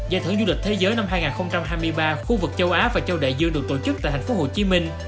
giải thưởng du lịch thế giới năm hai nghìn hai mươi ba khu vực châu á và châu đại dương được tổ chức tại thành phố hồ chí minh